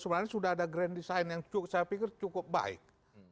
sebenarnya sudah ada grand design yang saya pikir cukup baik